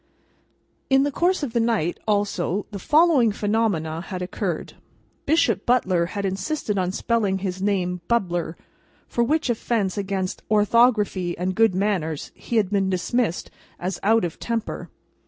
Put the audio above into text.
In the course of the night, also, the following phenomena had occurred. Bishop Butler had insisted on spelling his name, "Bubler," for which offence against orthography and good manners he had been dismissed as out of temper.